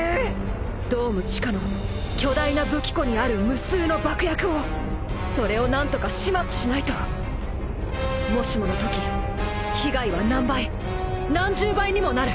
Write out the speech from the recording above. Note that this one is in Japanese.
ドーム地下の巨大な武器庫にある無数の爆薬をそれを何とか始末しないともしもの時被害は何倍何十倍にもなる。